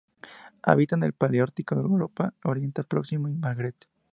Habita en el paleártico: Europa, Oriente Próximo y el Magreb.